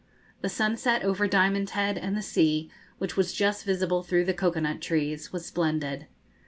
The sunset, over Diamond Head, and the sea, which was just visible through the cocoa nut trees, was splendid.